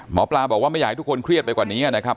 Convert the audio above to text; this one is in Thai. หมอปลาบอกว่าไม่อยากให้ทุกคนเครียดไปกว่านี้นะครับ